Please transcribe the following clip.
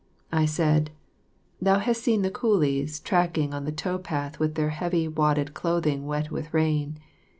I said, "Thou hast seen the coolies tracking on the tow path with their heavy wadded clothing wet with rain.